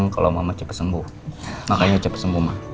kalau mama cepat sembuh makanya cepat sembuh mak